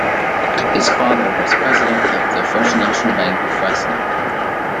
His father was president of the first national bank in Fresno.